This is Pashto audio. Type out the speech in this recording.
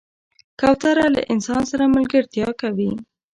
کوتره له انسان سره ملګرتیا کوي.